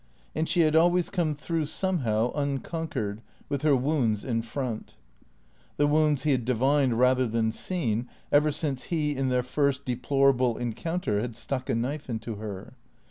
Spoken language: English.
And she had always come through somehow, unconquered, with her wounds in front. The wounds he had divined rather than seen, ever since he, in their first deplorable encounter, had stuck a knife into her.